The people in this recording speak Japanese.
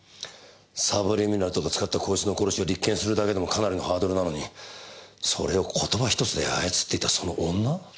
サブリミナルとかを使ったこいつの殺しを立件するだけでもかなりのハードルなのにそれを言葉ひとつで操っていたその女？